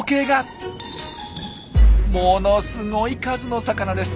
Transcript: ものすごい数の魚です！